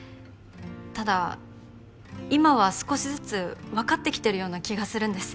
ただ今は少しずつ分かってきてるような気がするんです。